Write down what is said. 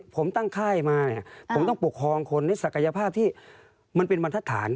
ผมตั้งค่ายมาเนี่ยผมต้องปกครองคนในศักยภาพที่มันเป็นบรรทฐาน